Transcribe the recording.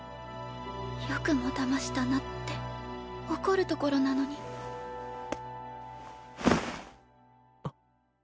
よくもだましたなって怒るところなのにうん？